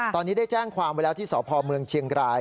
ตอนนี้ได้แจ้งความไว้แล้วที่สพเมืองเชียงราย